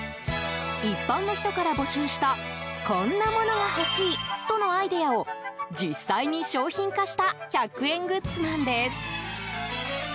一般の人から募集したこんなものが欲しいとのアイデアを実際に商品化した１００円グッズなんです。